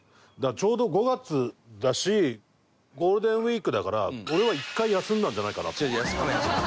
ちょうど５月だしゴールデンウィークだから俺は一回休んだんじゃないかなと思う。